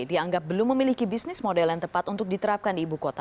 dianggap belum memiliki bisnis model yang tepat untuk diterapkan di ibu kota